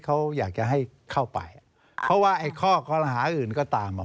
เขาอยากจะให้เข้าไปเป้อว่าไอ้ข้อของหละอื่นก็ตามมา